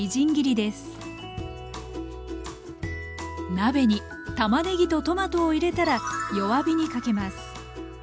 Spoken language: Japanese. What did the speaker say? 鍋にたまねぎとトマトを入れたら弱火にかけます。